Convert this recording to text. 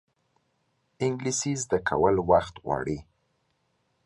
انګلیسي زده کول وخت غواړي